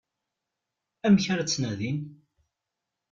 Amek ara tt-nadin?